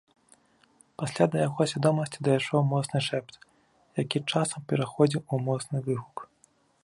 Пасля да яго свядомасці дайшоў моцны шэпт, які часам пераходзіў у моцны выгук.